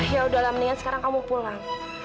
yaudah lah mendingan sekarang kamu pulang